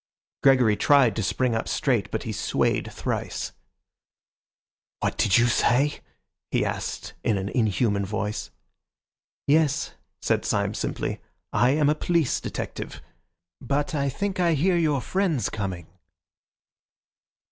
Gregory tried to spring up straight, but he swayed thrice. "What do you say?" he asked in an inhuman voice. "Yes," said Syme simply, "I am a police detective. But I think I hear your friends coming."